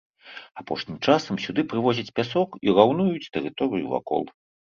Апошнім часам сюды прывозяць пясок і раўнуюць тэрыторыю вакол.